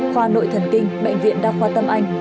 khoa nội thần kinh bệnh viện đa khoa tâm anh